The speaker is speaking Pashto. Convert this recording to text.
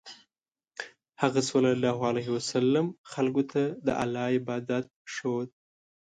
هغه ﷺ خلکو ته د الله عبادت ښوود.